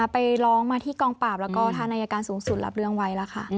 ไปร้องมาที่กองปราบแล้วก็ทางอายการสูงสุดรับเรื่องไว้แล้วค่ะ